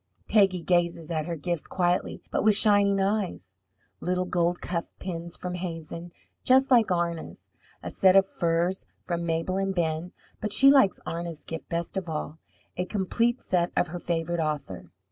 Peggy gazes at her gifts quietly, but with shining eyes little gold cuff pins from Hazen, just like Arna's; a set of furs from Mabel and Ben; but she likes Arna's gift best of all, a complete set of her favourite author.